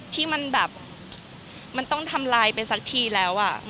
ที่มันต้องทำลายไปสักทีแล้ว